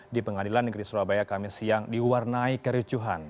di pengadilan negeri surabaya kamis siang diwarnai kericuhan